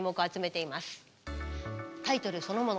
タイトルそのもの